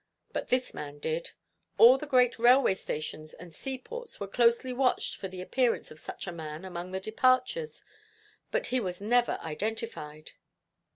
But this man did it. All the great railway stations and sea ports were closely watched for the appearance of such a man among the departures; but he was never identified."